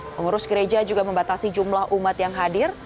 pengurus gereja juga membatasi jumlah umat yang hadir